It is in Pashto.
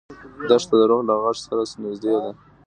دښته د روح له غږ سره نږدې ده.